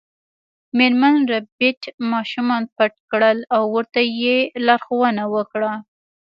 میرمن ربیټ ماشومان پټ کړل او ورته یې لارښوونه وکړه